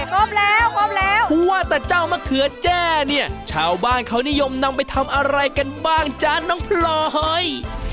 งบแล้วงบแล้วผู้ว่าแต่เจ้ามะเขือแจ้เนี่ยชาวบ้านเขานิยมนำไปทำอะไรกันบ้างจ๊ะน้องพลอย